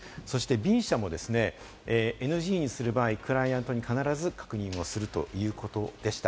そしてＢ社も、ＮＧにする場合、クライアントに必ず確認するということでした。